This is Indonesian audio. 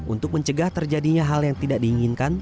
untuk mencegah terjadinya hal yang tidak diinginkan